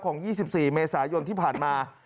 ๒๔เมษายนที่ผ่านมา